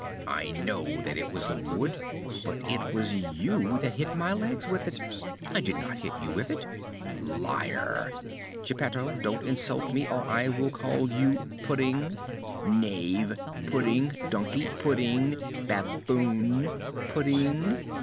"I know that it was the wood; but it was you that hit my legs with it!" "I did not hit you with it!" "Liar!" "Geppetto, don't insult me or I will call you Pudding!" "Knave!" "Pudding!" "Donkey!" "Pudding!" "Baboon!" "Pudding!"